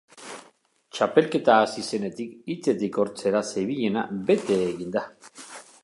Txapelketa hasi zenetik hitzetik hortzera zebilena bete egin da.